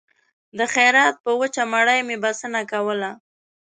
د خیرات په وچه مړۍ مې بسنه کوله